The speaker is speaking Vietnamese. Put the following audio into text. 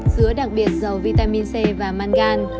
dứa đặc biệt dầu vitamin c và mangan